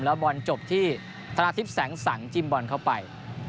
แล้วบอลจบที่ธนาทิพย์แสงสังจิมบอลเข้าไป